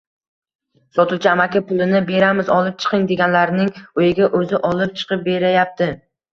Sotuvchi amaki pulini beramiz, olib chiqing, deganlarning uyiga o`zi olib chiqib berayapti